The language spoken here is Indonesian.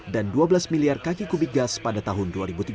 dan dua belas miliar kaki kubik gas pada tahun dua ribu tiga puluh